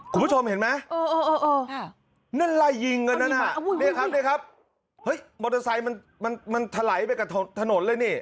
คุณผู้ชมเห็นไหมนั่นไล่ยิงกันนั้นเนี่ยครับนี่ครับเฮ้ยมอเตอร์ไซค์มันถลายไปกับถนนเลยนี่